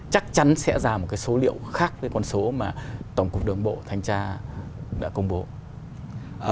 chắc chắn sẽ ra một cái số liệu khác với con số mà tổng cục đường bộ thanh tra đã công bố